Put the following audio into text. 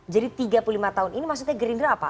jadi tiga puluh lima tahun ini maksudnya gerindra apa